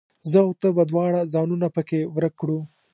زه او ته به دواړه ځانونه پکښې ورک کړو